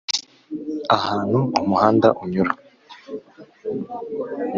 ahantu umuhanda unyura.